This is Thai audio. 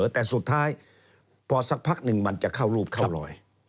แต่สุดท้ายพอสักพักหนึ่งมันจะเข้ารูปเข้ารอย